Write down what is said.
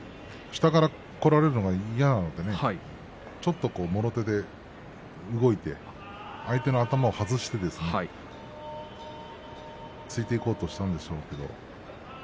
下から取られるのが嫌で、阿炎はちょっともろ手で動いて相手の頭を外して突いていこうとしたんでしょう。